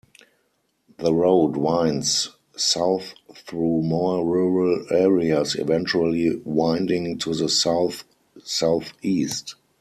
The road winds south through more rural areas, eventually winding to the south-southeast.